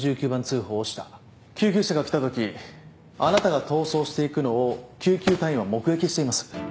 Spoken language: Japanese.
救急車が来たときあなたが逃走していくのを救急隊員は目撃しています。